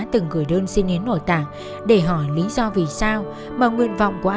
từ khi anh thọ gặp nhau